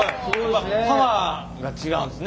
パワーが違うんですね